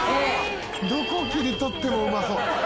どこ切り取ってもうまそう。